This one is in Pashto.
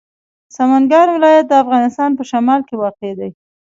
سمنګان ولایت د افغانستان په شمال کې واقع دی.